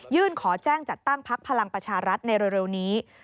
ขอแจ้งจัดตั้งพักพลังประชารัฐในเร็วนี้